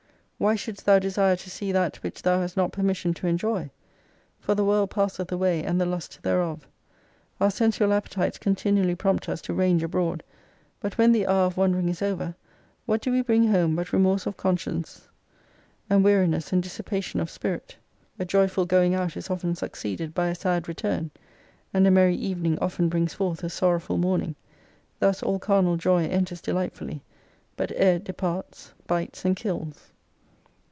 Why shouldst thou desire to see that, which thou hast not permission to enjoy ? For • the world passeth away and the lust thereof.' Our sensual appetites continually prompt us to range abroad ; but when the hour of wandering is over, what do we bring home but remorse of conscience, and weariness and dissipation of spirit ? A joyful going out is often succeeded by a sad return ; and a merry evening often brings forth a sorrowful morning. Thus, all carnal joy enters delightfully ; but ere it departs, bites and kills.